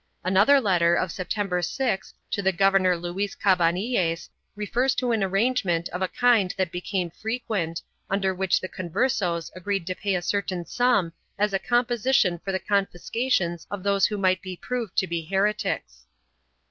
Another letter of Sep tember 6th to the Governor Luis Cabanilles refers to an arrange ment of a kind that became frequent, under which the Converses agreed to pay a certain sum as a composition for the confiscations of those who might be proved to be heretics.